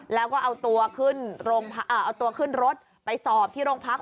แล้วก็เอาตัวขึ้นเอาตัวขึ้นรถไปสอบที่โรงพัก